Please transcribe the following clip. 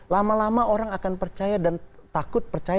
lama lama orang akan percaya dan takut percaya